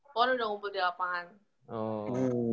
pon udah ngumpul di lapangan